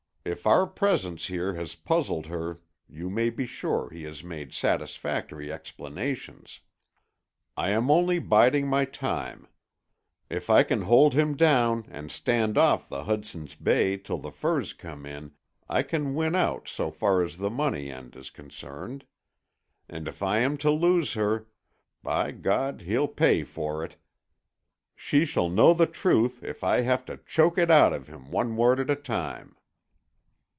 "If our presence here has puzzled her you may be sure he has made satisfactory explanations. I am only biding my time. If I can hold him down and stand off the Hudson's Bay till the furs come in, I can win out so far as the money end is concerned. And if I am to lose her, by God he'll pay for it! She shall know the truth if I have to choke it out of him one word at a time."